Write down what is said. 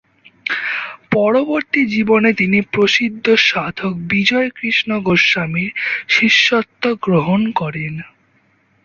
পরবর্তী জীবনে তিনি প্রসিদ্ধ সাধক বিজয়কৃষ্ণ গোস্বামীর শিষ্যত্ব গ্রহণ করেন।